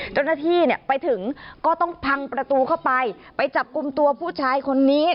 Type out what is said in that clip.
เจ้าหน้าที่เนี่ยไปถึงก็ต้องพังประตูเข้าไปไปจับกลุ่มตัวผู้ชายคนนี้